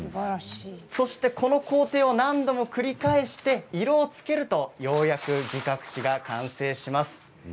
そして、この工程を何度も繰り返して色をつけるとようやく擬革紙が完成します。